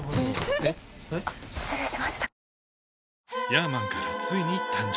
あっ失礼しました。